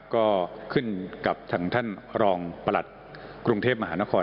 ก็ขึ้นกับทางท่านรองประหลัดกรุงเทพมหานคร